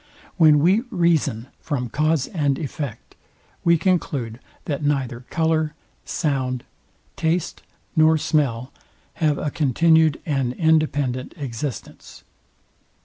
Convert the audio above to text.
When we reason from cause and effect, we conclude, that neither colour, sound, taste, nor smell have a continued and independent existence.